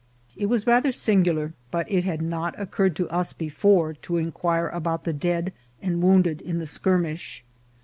It was rather singular, but it had not occurred to us before to inquire about the dead and wounded in the skirmish.